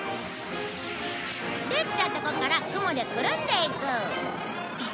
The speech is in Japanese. できたとこから雲でくるんでいく。